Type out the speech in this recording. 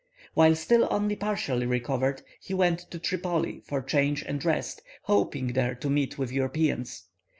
While still only partially recovered, he went to Tripoli for change and rest, hoping there to meet with Europeans.